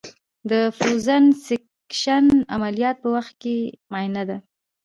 د فروزن سیکشن عملیاتو په وخت معاینه ده.